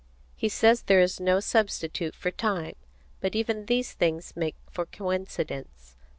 He says there is no substitute for time. But even these things make for coincidence.